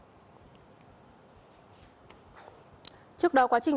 trước đó quá trình điều trị của công an huyện nghi lộc tỉnh nghệ an bắt quả tàng